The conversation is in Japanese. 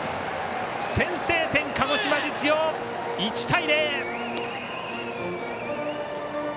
先制点、鹿児島実業１対０。